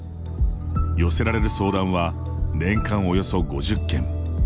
寄せられる相談は年間およそ５０件。